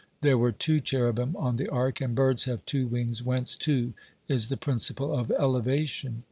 There were two cherubim on the ark, and birds have two wings, whence two is the principle of elevation.